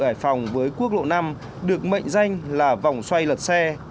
hà nội hải phòng với quốc lộ năm được mệnh danh là vòng xoay lật xe